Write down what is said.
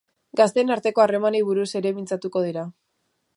Gazteen arteko harremanei buruz ere mintzatuko dira.